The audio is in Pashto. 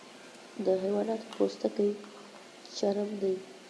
د حیواناتو پوستکی چرم دی